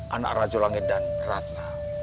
anak raja langit dan rata